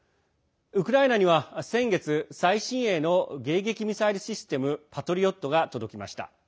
ウクライナには先月最新鋭の迎撃ミサイルシステム「パトリオット」が届きました。